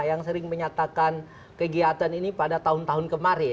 yang sering menyatakan kegiatan ini pada tahun tahun kemarin